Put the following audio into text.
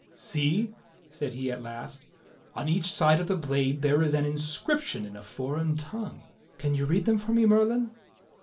"See," said he at last, "on each side of the blade there is an in scription in a foreign tongue. Can you read them for me. Merlin.?